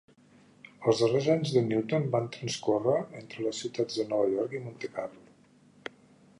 Els darrers anys de Newton van transcórrer entre les ciutats de Nova York i Montecarlo.